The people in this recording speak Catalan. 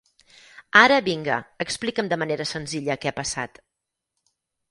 Ara, vinga, explica'm de manera senzilla què ha passat.